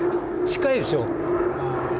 近いでしょ。